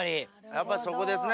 やっぱりそこですね。